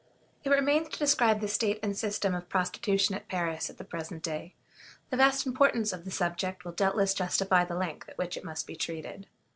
It remains to describe the state and system of prostitution at Paris at the present day. The vast importance of the subject will doubtless justify the length at which it must be treated.